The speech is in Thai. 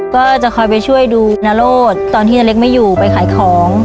ก็จะคอยไปช่วยดูนโรศตอนที่นาเล็กไม่อยู่ไปขายของ